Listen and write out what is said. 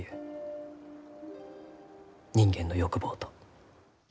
人間の欲望と。